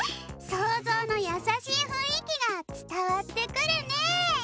そうぞうのやさしいふんいきがつたわってくるね。